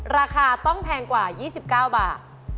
ราคาต้องแพงกว่า๒๙บาท